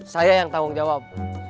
saya yang tanggung jawab